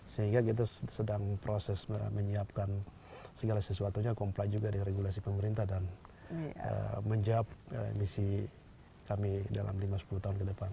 sehingga kita sedang proses menyiapkan segala sesuatunya comply juga di regulasi pemerintah dan menjawab misi kami dalam lima sepuluh tahun ke depan